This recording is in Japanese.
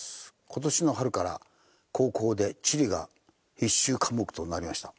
今年の春から高校で地理が必修科目となりました。